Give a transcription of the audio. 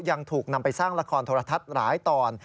ยังถูกนำไปสร้างละครโทรทัศน์หลายตอน